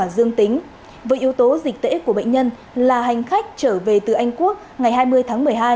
dương tính với yếu tố dịch tễ của bệnh nhân là hành khách trở về từ anh quốc ngày hai mươi tháng một mươi hai